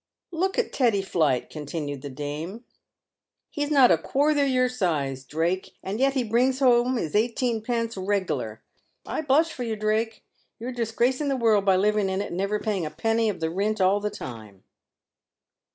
" Look at Teddy Flight," continued the dame, " he's not aquarther your size, Drake, and yet he brings home his eighteenpence reg'lar. I blush for yer, Drake ; you're disgracing the world by living in it and never paying a penny of the rint all the time."